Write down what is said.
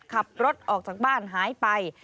ขับรถออกจากบ้านหายไป